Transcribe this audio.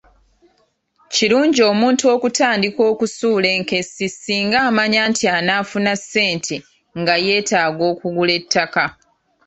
Kirungi omuntu okutandika okusuula enkessi singa amanya nti anaafuna ssente nga yeetaaga okugula ettaka.